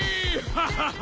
ハハハ。